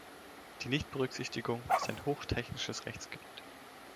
Die Nichtberücksichtigung ist ein hochtechnisches Rechtsgebiet.